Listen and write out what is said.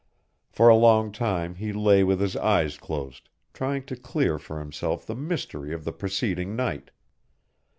For a long time he lay with his eyes closed, trying to clear for himself the mystery of the preceding night.